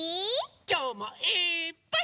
きょうもいっぱい。